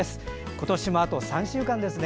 今年もあと３週間ですね。